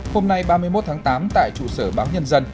hôm nay ba mươi một tháng tám tại trụ sở báo nhân dân